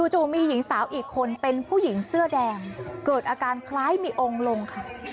จู่มีหญิงสาวอีกคนเป็นผู้หญิงเสื้อแดงเกิดอาการคล้ายมีองค์ลงค่ะ